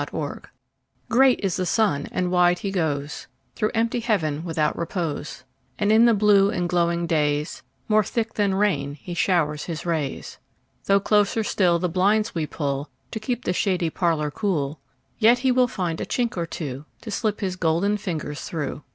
Summer Sun GREAT is the sun, and wide he goesThrough empty heaven without repose; And in the blue and glowing daysMore thick than rain he showers his rays. Though closer still the blinds we pullTo keep the shady parlour cool, Yet he will find a chink or twoTo slip his golden fingers through.